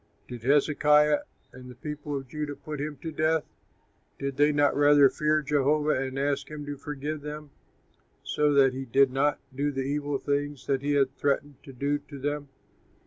"' "Did Hezekiah and the people of Judah put him to death? Did they not rather fear Jehovah and ask him to forgive them, so that he did not do the evil things that he had threatened to do to them?